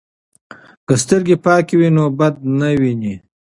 که سترګې پاکې وي نو بد نه ویني.